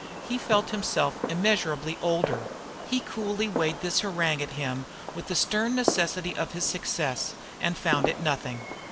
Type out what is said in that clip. He felt himself immeasurably older; he coolly weighed this harangue at him with the stern necessity of his success, and found it nothing.